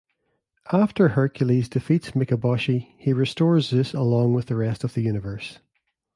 After Hercules defeats Mikaboshi he restores Zeus along with the rest of the universe.